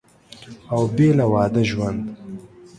او بېله واده ژوند